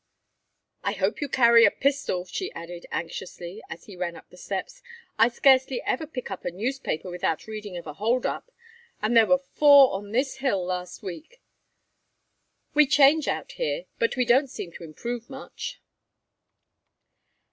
"I hope you carry a pistol," she added, anxiously, as he ran up the steps. "I scarcely ever pick up a newspaper without reading of a hold up, and there were four on this hill last week. We change, out here, but we don't seem to improve much."